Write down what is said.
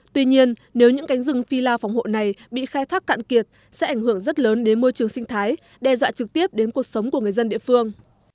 tuy nhiên nếu những cánh rừng phila phòng hộ này bị khai thác cạn kiệt sẽ ảnh hưởng rất lớn đến môi trường sinh thái đe dọa trực tiếp đến cuộc sống của người dân địa phương